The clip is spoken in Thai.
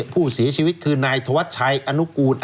ผู้เสียชวิตคือนายธวัชณูกูล